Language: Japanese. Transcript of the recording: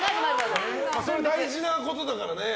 大事なことだからね。